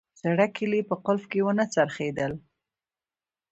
زړه کیلي په قلف کې ونه څرخیدل